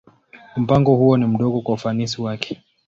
Mpango huo ni mdogo kwa ufanisi wake.